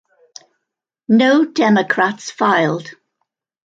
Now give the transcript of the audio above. No Democrats filed.